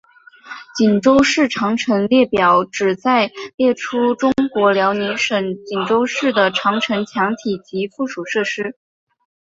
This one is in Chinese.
锦州市长城列表旨在列出中国辽宁省锦州市的长城墙体及附属设施。